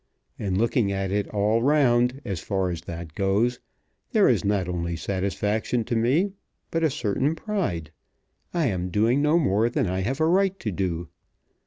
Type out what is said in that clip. In looking at it all round, as far as that goes, there is not only satisfaction to me, but a certain pride. I am doing no more than I have a right to do.